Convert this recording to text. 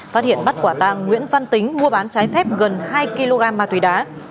phát hiện bắt quả tàng nguyễn văn tính mua bán trái phép gần hai kg ma túy đá